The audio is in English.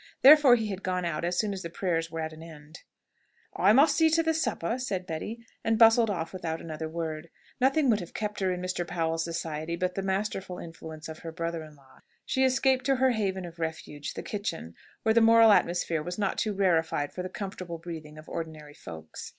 Therefore he had gone out as soon as the prayers were at an end. "I must see to the supper," said Betty, and bustled off without another word. Nothing would have kept her in Mr. Powell's society but the masterful influence of her brother in law. She escaped to her haven of refuge, the kitchen, where the moral atmosphere was not too rarefied for the comfortable breathing of ordinary folks.